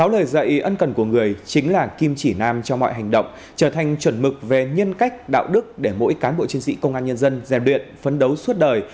sáu lời dạy ân cần của người chính là kim chỉ nam cho mọi hành động trở thành chuẩn mực về nhân cách đạo đức để mỗi cán bộ chiến sĩ công an nhân dân gian luyện phấn đấu suốt đời